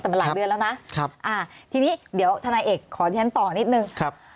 แต่เป็นหลายเดือนแล้วนะทีนี้เดี๋ยวธนาเอกขอแท้ต่อนิดหนึ่ง